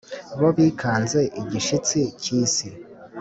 Bo bikanze igishitsi cy'isi,